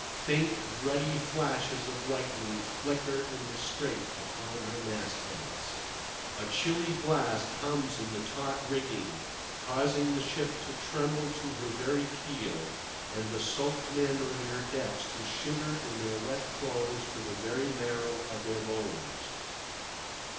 Faint, ruddy flashes of lightning flicker in the starlight upon her mastheads. A chilly blast hums in the taut rigging, causing the ship to tremble to her very keel, and the soaked men on her decks to shiver in their wet clothes to the very marrow of their bones.